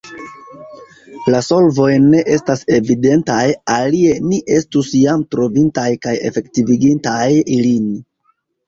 La solvoj ne estas evidentaj, alie ni estus jam trovintaj kaj efektivigintaj ilin.